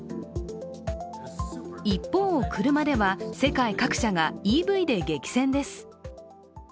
一方、車では、世界各社がＥＶで激戦です。